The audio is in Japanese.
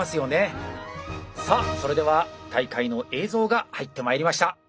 さあそれでは大会の映像が入ってまいりました。